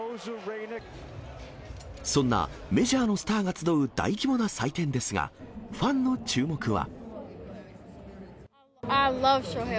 そんなメジャーのスターが集う大規模な祭典ですが、ファンの注目は。